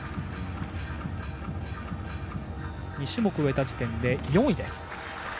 ２種目を終えた時点で４位です。